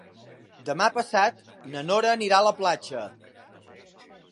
Demà passat na Nora anirà a la platja.